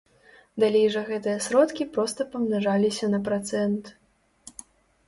Далей жа гэтыя сродкі проста памнажаліся на працэнт.